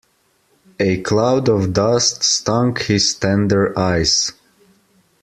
A cloud of dust stung his tender eyes.